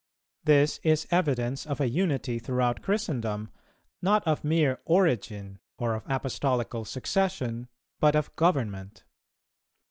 This is evidence of a unity throughout Christendom, not of mere origin or of Apostolical succession, but of government.